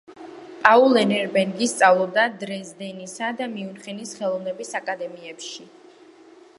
პაულ ერენბერგი სწავლობდა დრეზდენისა და მიუნხენის ხელოვნების აკადემიებში.